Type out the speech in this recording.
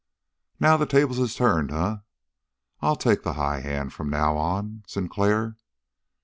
"Now, the tables is turned, eh? I'll take the high hand from now on, Sinclair!"